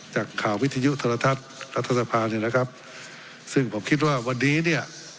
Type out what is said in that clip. จากข่าววิทยุโทรทัศน์รัฐสภาเนี่ยนะครับซึ่งผมคิดว่าวันนี้เนี่ย